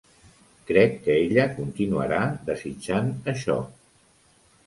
Crec que ella continuarà desitjant això.